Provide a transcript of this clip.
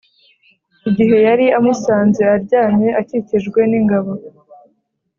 igihe yari amusanze aryamye akikijwe n’ingabo